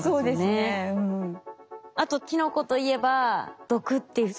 あとキノコといえば毒っていう。